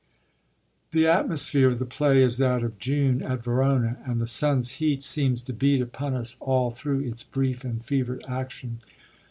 The atmosphere of the play is that of June at Verona, and the sun's heat seems to beat upon us all through its brief and fevered action.